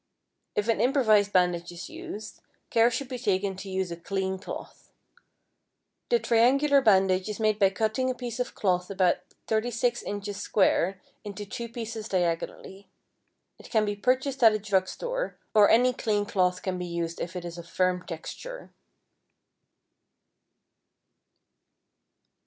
If an improvised bandage is used, care should be taken to use a clean cloth. The triangular bandage is made by cutting a piece of cloth about 36 inches square into two pieces diagonally. It can be purchased at a drug store, or any clean cloth can be used if it is of firm texture.